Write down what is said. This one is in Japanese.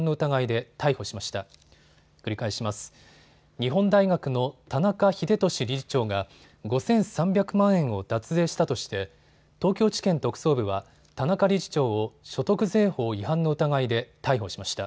日本大学の田中英壽理事長が５３００万円を脱税したとして東京地検特捜部は田中理事長を所得税法違反の疑いで逮捕しました。